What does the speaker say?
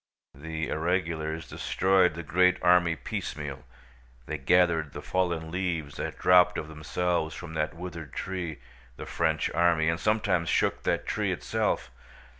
The irregulars destroyed the great army piecemeal. They gathered the fallen leaves that dropped of themselves from that withered tree—the French army—and sometimes shook that tree itself.